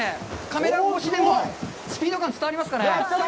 カメラ越しでもスピード感が伝わりますかね。